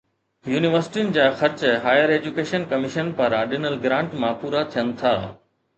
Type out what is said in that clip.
يونيورسٽين جا خرچ هائير ايجوڪيشن ڪميشن پاران ڏنل گرانٽ مان پورا ٿين ٿا.